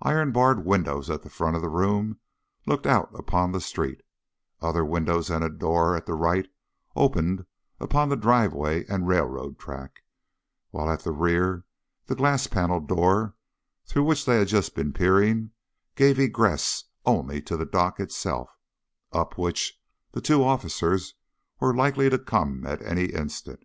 Iron barred windows at the front of the room looked out upon the street; other windows and a door at the right opened upon the driveway and railroad track, while at the rear the glass panelled door through which they had just been peering gave egress only to the dock itself, up which the two officers were likely to come at any instant.